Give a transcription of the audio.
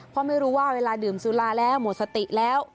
เพราะไม่รู้ว่าเวลาดื่มสุราแล้วหมดสติแล้ว